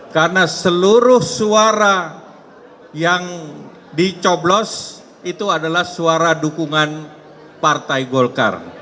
karena seluruh suara yang dicoblos itu adalah suara dukungan partai golkar